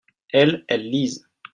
elles, elles lisent.